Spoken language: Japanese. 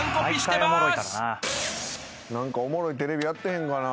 何かおもろいテレビやってへんかな？